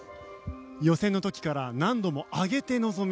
予選の時から難度を上げて臨む。